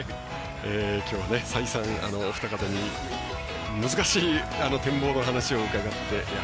きょうは再三、お二方に難しい展望のお話を伺って。